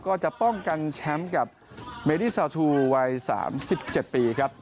ก็จะป้องกันแชมป์กับเมดี้ซาทูวัย๓๗ปีครับ